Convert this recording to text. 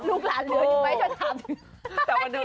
ลูกลาเลือดยังไงฉันถาม